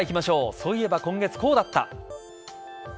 そういえば今月こうだった。